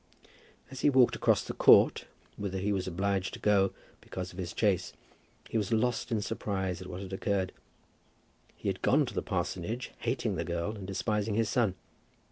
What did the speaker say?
As he walked across to the Court, whither he was obliged to go, because of his chaise, he was lost in surprise at what had occurred. He had gone to the parsonage, hating the girl, and despising his son.